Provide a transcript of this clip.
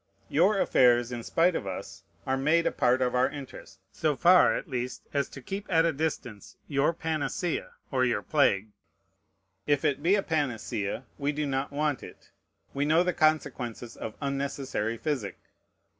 Your affairs, in spite of us, are made a part of our interest, so far at least as to keep at a distance your panacea or your plague. If it be a panacea, we do not want it: we know the consequences of unnecessary physic.